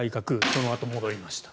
そのあと、戻りました。